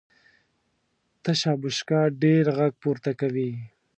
تشه بشکه ډېر غږ پورته کوي .